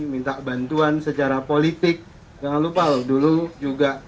minta bantuan secara politik jangan lupa loh dulu juga